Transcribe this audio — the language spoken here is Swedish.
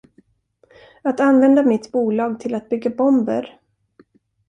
Att använda mitt bolag till att bygga bomber?